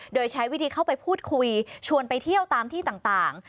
โดยใช้วิธีเข้าไปพูดคุยชวนไปเที่ยวตามที่ต่าง